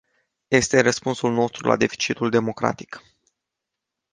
Este răspunsul nostru la deficitul democratic.